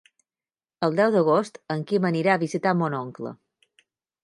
El deu d'agost en Quim anirà a visitar mon oncle.